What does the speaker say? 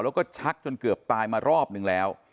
แล้วก็ชักจนเกือบตายมารอบนึงแล้ว